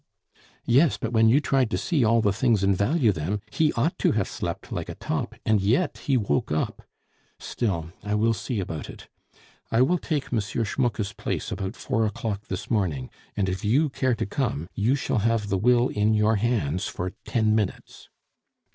"Yes. But when you tried to see all the things and value them, he ought to have slept like a top, and yet he woke up. Still, I will see about it. I will take M. Schmucke's place about four o'clock this morning; and if you care to come, you shall have the will in your hands for ten minutes."